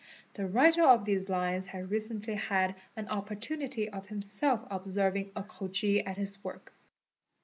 The writer of thes lines has recently had an opportunity of himself observing a Khoji at hi work.